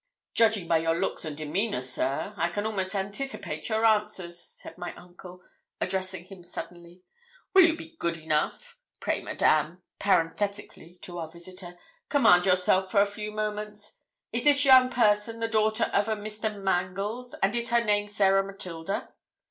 'Judging by your looks and demeanour, sir, I can almost anticipate your answers,' said my uncle, addressing him suddenly. 'Will you be good enough pray, madame (parenthetically to our visitor), command yourself for a few moments. Is this young person the daughter of a Mr. Mangles, and is her name Sarah Matilda?'